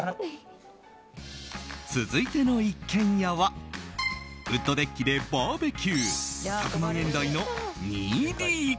続いての一軒家はウッドデッキでバーベキュー１００万円台の２ＤＫ。